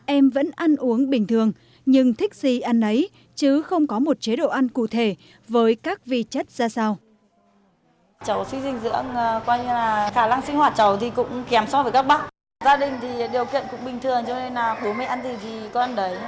em vẫn ăn uống bình thường nhưng thích gì ăn ấy chứ không có một chế độ ăn cụ thể với các vi chất ra sao